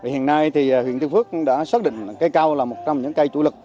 hiện nay huyện tiên phước đã xác định cây cao là một trong những cây chủ lực